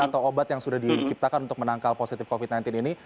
atau obat yang sudah diciptakan untuk menangkal positif covid sembilan belas ini